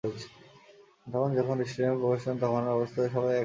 উনি যখন স্টেডিয়ামে প্রবেশ করেন ওনার অবস্থা দেখে উপস্থিত সবাই অবাক হয়ে যান।